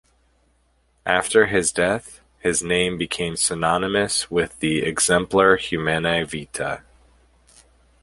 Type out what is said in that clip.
After his death, his name became synonymous with the "Exemplar Humanae Vitae".